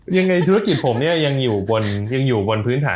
ยังไงธุรกิจผมเนี่ยยังอยู่บนพื้นฐาน